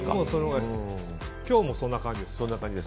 今日もそんな感じです。